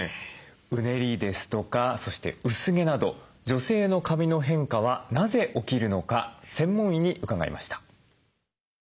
うねりですとかそして薄毛など女性の髪の変化はなぜ起きるのか専門医に伺いました。